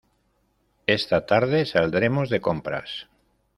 Esta tarde saldremos de compras.